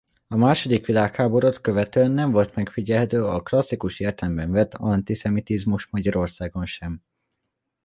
A második világháborút követően nem volt megfigyelhető a klasszikus értelemben vett antiszemitizmus Magyarországon sem.